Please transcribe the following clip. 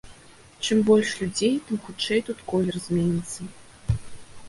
Чым больш людзей, тым хутчэй тут колер зменіцца.